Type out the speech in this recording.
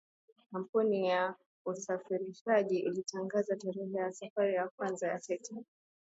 kampuni ya usafirishaji ilitangaza tarehe ya safari ya kwanza ya titanic